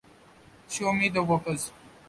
Show me the workers.